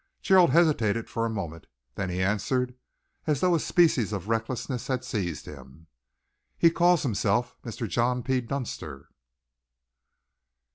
Gerald hesitated for a moment. Then he answered as though a species of recklessness had seized him. "He called himself Mr. John P. Dunster."